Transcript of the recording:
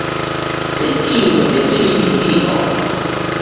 Ne timu decidi tion!